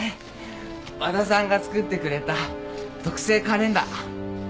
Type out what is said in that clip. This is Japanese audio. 和田さんが作ってくれた特製カレンダー。